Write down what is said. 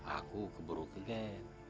aku keburu keget